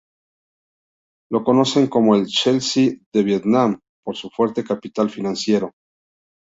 Lo conocen como el "Chelsea de Vietnam" por su fuerte capital financiero.